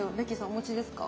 お持ちですか？